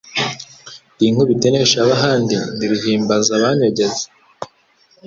Ndi Nkubito inesha ab'ahandi, ndi ruhimbaza abanyogeza.